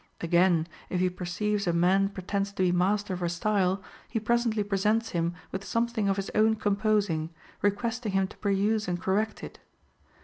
Again, if he perceives a man pretends to be mas * II. X. 249. FROM A FRIEND. 121 ter of a style, he presently presents him with something of his own composing, requesting him to peruse and cor rect it.